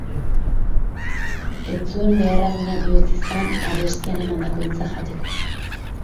Ez zuen behar adina bihotz izan arestian emandako hitza jateko.